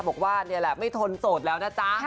บอกว่าไม่ทนสดแล้วนะจ๊ะ